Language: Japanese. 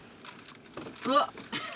うわっ！